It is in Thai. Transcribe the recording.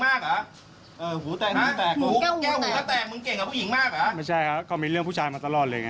แก้วหูแตะแตงมึงเก่งกับผู้หญิงมากอ่ะไม่ใช่ฮะเค้ามีเรื่องผู้ชายมาตลอดเลยไง